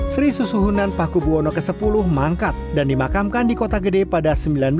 sri susuhunan pakubuwono x mangkat dan dimakamkan di kota gede pada seribu sembilan ratus tiga puluh sembilan